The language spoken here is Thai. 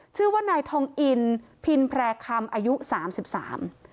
ชื่อว่านายทองอินพินแพร่คำอายุสามสิบสาม